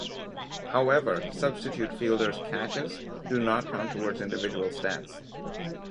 However, substitute fielders' catches do not count towards individual stats.